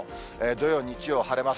土曜、日曜、晴れます。